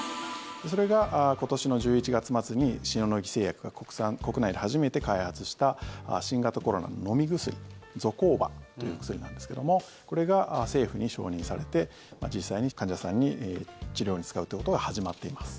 それが今年の１１月末に塩野義製薬が国内で初めて開発した新型コロナの飲み薬ゾコーバというお薬なんですけどこれが政府に承認されて実際に患者さんに治療に使うということが始まっています。